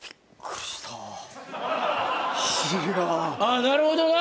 あなるほどな！